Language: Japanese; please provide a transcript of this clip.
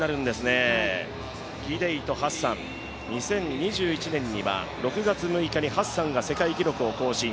ギデイとハッサン、２０２１年には６月６日にハッサンが世界記録を更新。